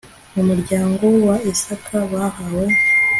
mu muryango wa isakari bahawe